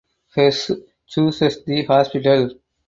Hersh chooses the hospital.